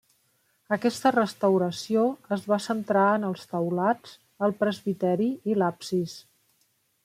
Aquesta restauració es va centrar en els taulats, el presbiteri i l'absis.